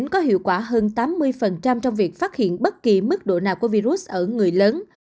có hiệu quả hơn tám mươi trong việc phát hiện bất kỳ mức độ nào của virus ở người lớn